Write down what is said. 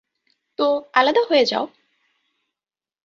তো, আলাদা হয়ে যাও।